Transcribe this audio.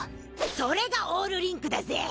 それがオールリンクだぜィ。